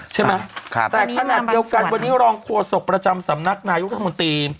ใช่ไหมแต่ขนาดเดียวกันวันนี้รองโฆษกประจำสำนักนายุทธมนตรี